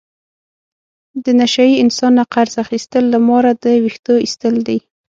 د نشه یي انسان نه قرض اخستل له ماره د وېښتو ایستل دي.